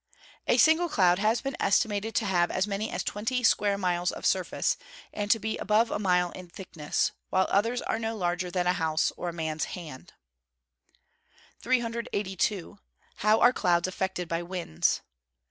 _ A single cloud has been estimated to have as many as twenty square miles of surface, and to be above a mile in thickness, while others are no larger than a house, or a man's hand. [Illustration: Fig. 7. CUMULUS, OR PILE CLOUD.] 382. _How are clouds affected by winds?